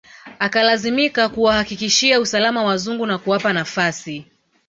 Akalazimika kuwahakikishia usalama wazungu na kuwapa nafasi